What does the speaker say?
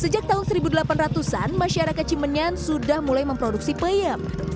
sejak tahun seribu delapan ratus an masyarakat cimenyan sudah mulai memproduksi peyem